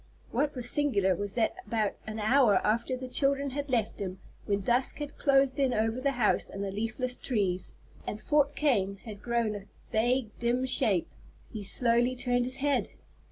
What was singular was that about an hour after the children had left him, when dusk had closed in over the house and the leafless trees, and "Fort Kane" had grown a vague dim shape, he slowly turned his head!